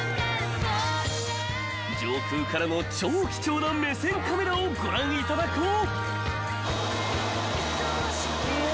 ［上空からの超貴重な目線カメラをご覧いただこう］